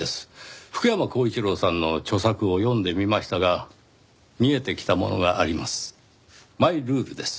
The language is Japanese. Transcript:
福山光一郎さんの著作を読んでみましたが見えてきたものがあります。